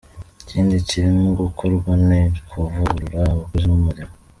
Ikindi kirimo gukorwa ni ukuvugurura abakozi n’umurimo.